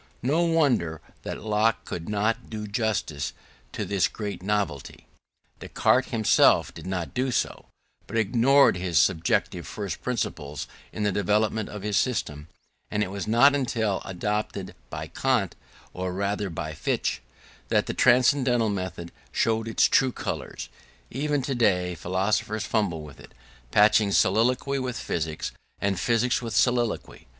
No wonder that Locke could not do justice to this great novelty: Descartes himself did not do so, but ignored his subjective first principles in the development of his system; and it was not until adopted by Kant, or rather by Fichte, that the transcendental method showed its true colours. Even today philosophers fumble with it, patching soliloquy with physics and physics with soliloquy.